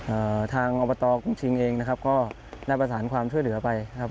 อ่าทางอบตกรุงชิงเองนะครับก็ได้ประสานความช่วยเหลือไปนะครับ